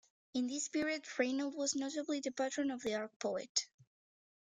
In this period Rainald was notably the patron of the Archpoet.